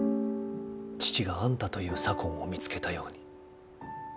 父があんたという左近を見つけたように。